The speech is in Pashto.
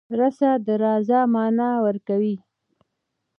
رڅه .د راځه معنی ورکوی